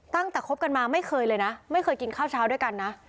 คบกันมาไม่เคยเลยนะไม่เคยกินข้าวเช้าด้วยกันนะ